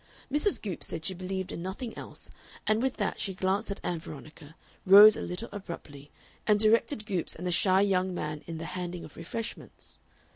Mrs. Goopes said she believed in nothing else, and with that she glanced at Ann Veronica, rose a little abruptly, and directed Goopes and the shy young man in the handing of refreshments.